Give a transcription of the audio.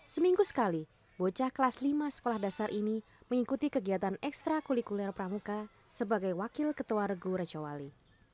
seminggu sekali bocah kelas lima sekolah dasar ini mengikuti kegiatan ekstra kulikuler pramuka sebagai wakil ketua regu rejawali